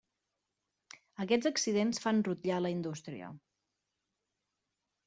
Aquests accidents fan rutllar la indústria.